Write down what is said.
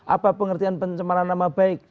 apa pengertian pencemaran nama baik